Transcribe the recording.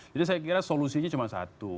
jadi saya kira solusinya cuma satu